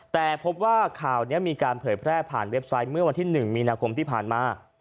แต่พบว่าข่าวนี้มีการเผยแพร่ผ่านเว็บไซต์เมื่อวันที่๑มีนาคมที่ผ่านมา